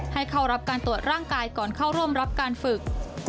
ให้เข้ารับการตรวจร่างกายก่อนเข้าร่วมรับการฝึก